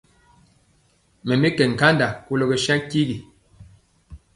Mɛ mi nkanda kolɔ kɛ saŋ tigi.